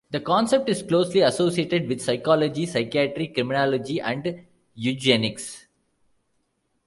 The concept is closely associated with psychology, psychiatry, criminology, and eugenics.